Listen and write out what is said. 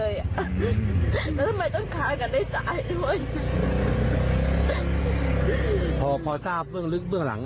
อยู่กับแม่ที่บ้านนะคะเลี้ยงหลาน